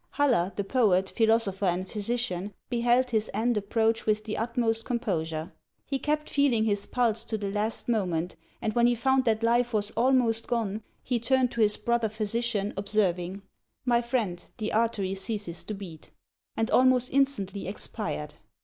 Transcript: Haller, the poet, philosopher, and physician, beheld his end approach with the utmost composure. He kept feeling his pulse to the last moment, and when he found that life was almost gone, he turned to his brother physician, observing, "My friend, the artery ceases to beat," and almost instantly expired.